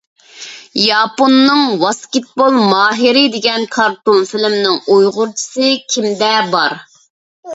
ياپوننىڭ «ۋاسكېتبول ماھىرى» دېگەن كارتون فىلىمىنىڭ ئۇيغۇرچىسى كىمدە بار؟